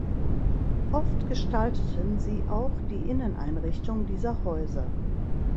Oft gestalteten sie auch die Inneneinrichtung dieser Häuser.